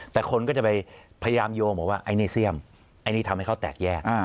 แต่คนก็จะไปพยายามโยงบอกว่าไอ้นี่เซียมไอ้นี่ทำให้เขาแตกแยก